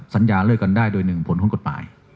สัญญาเลิกกันได้โดยหนึ่งผลคนกฎหมาย